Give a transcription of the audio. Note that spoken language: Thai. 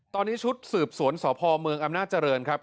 ตอนนี้ชุดสืบสวนสพเมืองอำนาจเจริญครับ